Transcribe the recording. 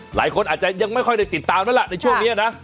หลายคนอาจไม่ค่อยติดตามด้วยละในช่วงนี้นะ